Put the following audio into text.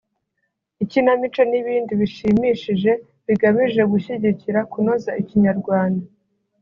ikinamico n’ibindi bishimishije bigamije gushyigikira kunoza Ikinyarwanda